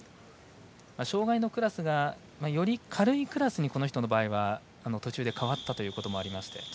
障がいのクラスがより軽いクラスに、この人は途中で変わったということもありまして。